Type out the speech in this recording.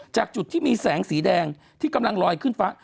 จากจุดที่มีแสงสีแดงที่กำลังลอยขึ้นฟ้า